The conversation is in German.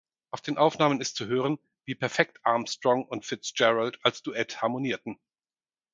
Auf den Aufnahmen ist zu hören, wie perfekt Armstrong und Fitzgerald als Duett harmonierten.